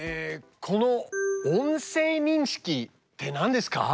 この「音声認識」って何ですか？